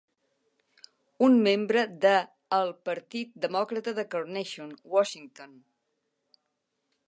Un membre de el Partit Demòcrata de Carnation, Washington.